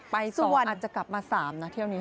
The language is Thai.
ไปก่อนอาจจะกลับมา๓นะเที่ยวนี้